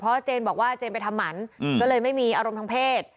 เพราะเจนบอกว่าเจนไปทำหมันก็เลยไม่มีอารมณ์ทางเพศ